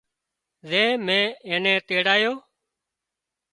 زي مين اين نين تيڙايو